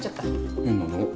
変なの。